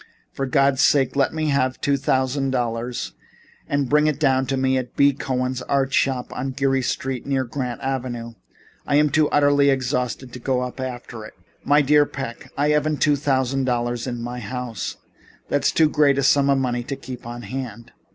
For God's sake let me have two thousand dollars and bring it down to me at B. Cohen's Art Shop on Geary Street near Grant Avenue. I'm too utterly exhausted to go up after it." "My dear Mr. Peck, I haven't two thousand dollars in my house. That is too great a sum of money to keep on hand."